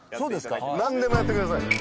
何でもやってください。